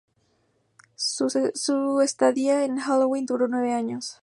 Su estadía en Helloween duró nueve años.